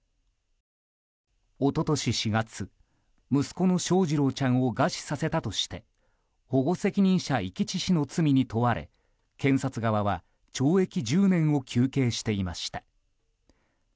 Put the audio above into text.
一昨年４月息子の翔士郎ちゃんを餓死させたとして保護責任者遺棄致死の罪に問われ検察側は懲役１０年を求刑していました。